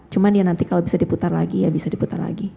cuma ya nanti kalau bisa diputar lagi ya bisa diputar lagi